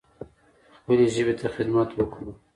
خپلې ژبې ته خدمت وکړو.